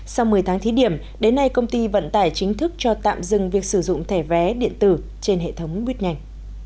sau một mươi tháng thí điểm đến nay công ty vận tải chính thức cho tạm dừng việc sử dụng thẻ vé điện tử trên hệ thống buýt nhanh